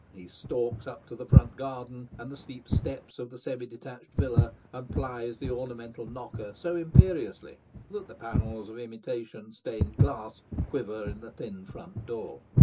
He stalks up the front garden and the steep steps of the semi detached villa, and plies the ornamental knocker so imperiously that the panels of imitation stained glass quiver in the thin front door.